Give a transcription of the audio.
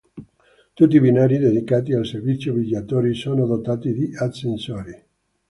Tutti i binari dedicati al servizio viaggiatori sono dotati di ascensori.